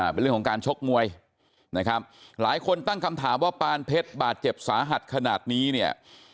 เป็นเรื่องของการชกมวยนะครับหลายคนตั้งคำถามว่าปานเพชรบาดเจ็บสาหัสขนาดนี้เนี่ย